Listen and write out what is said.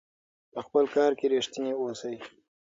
په خپل کار کې ریښتیني اوسئ.